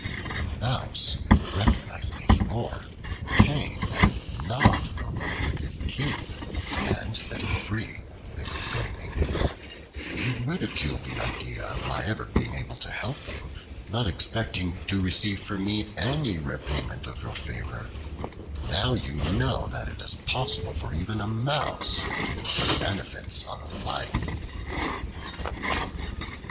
The Mouse, recognizing his roar, came and gnawed the rope with his teeth, and set him free, exclaiming: "You ridiculed the idea of my ever being able to help you, not expecting to receive from me any repayment of your favor; now you know that it is possible for even a Mouse to confer benefits on a Lion."